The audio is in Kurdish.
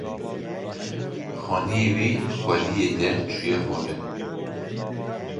Xaniyê wî xweliyê de çûye xwarê.